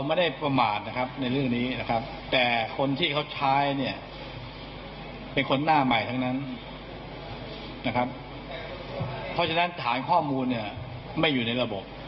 ไม่อยู่ในระบบ